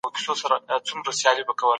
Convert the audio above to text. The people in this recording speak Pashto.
زه لوښي مینځم.